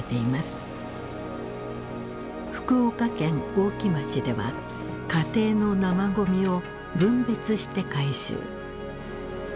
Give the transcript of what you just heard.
福岡県大木町では家庭の生ゴミを分別して回収。